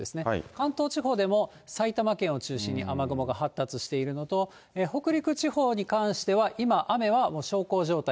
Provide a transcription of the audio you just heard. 関東地方でも、埼玉県を中心に雨雲が発達しているのと、北陸地方に関しては今、雨はもう小康状態。